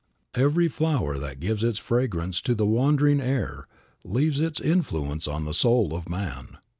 Every flower that gives its fragrance to the wandering air leaves its influence on the soul of man.